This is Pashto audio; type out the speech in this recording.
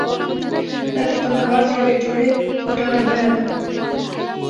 دا د پانګوال د یوې جوړې بوټانو بیه ده